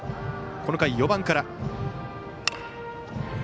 この回、４番から。